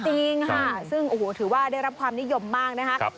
จริงค่ะซึ่งโอ้โหถือว่าได้รับความนิยมมากนะคะ